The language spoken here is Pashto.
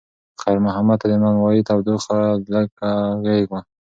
خیر محمد ته د نانوایۍ تودوخه لکه غېږ وه.